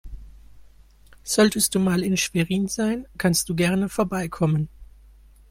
Solltest du mal in Schwerin sein, kannst du gerne vorbeikommen.